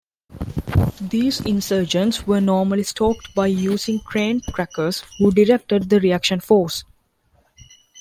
These insurgents were normally stalked by using trained trackers, who directed the reaction force.